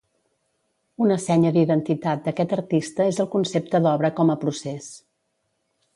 Una senya d'identitat d'aquest artista és el concepte d'obra com a procés.